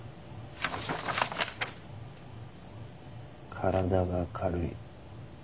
「身体が軽い。